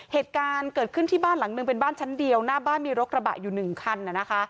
เหตุการณ์เกิดขึ้นที่บ้านหลังนึงเป็นบ้านชั้นเดียวหน้าบ้านมีรถกระบะอยู่หนึ่งคันนะคะ